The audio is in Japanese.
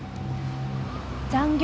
残業？